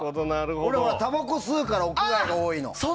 俺は、たばこ吸うから屋外が多いの。